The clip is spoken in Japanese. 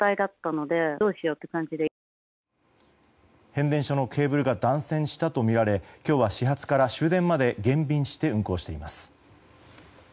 変電所のケーブルが断線したとみられ今日は始発から終電まで減便して運行しています。